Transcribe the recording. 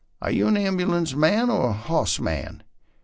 "Are yon an ambulance man ur a hoss man?